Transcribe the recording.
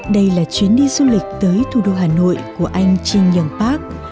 đây là chuyến đi du lịch tới thủ đô hà nội của anh trinh nhân park